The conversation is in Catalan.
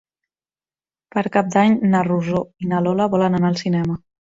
Per Cap d'Any na Rosó i na Lola volen anar al cinema.